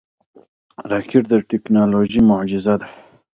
راکټ د ټکنالوژۍ معجزه ده